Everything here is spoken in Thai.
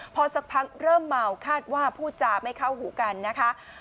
พอสักพักเริ่มเมาคาดว่าพูดจาไม่เข้าหูกันนะคะ